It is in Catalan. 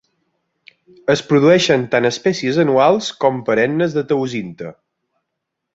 Es produeixen tant espècies anuals com perennes de teosinte.